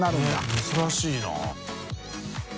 佑珍しいな。